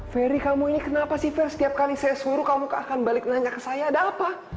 ferry kamu ini kenapa sih fair setiap kali saya suruh kamu akan balik nanya ke saya ada apa